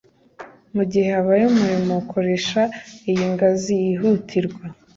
Mugihe habaye umuriro, koresha iyi ngazi yihutirwa.